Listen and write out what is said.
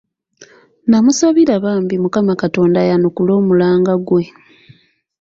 Nnamusabira bambi Mukama Katonda ayanukule omulanga gwe.